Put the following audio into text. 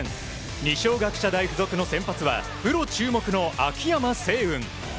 二松学舎大付属の先発はプロ注目の秋山正雲。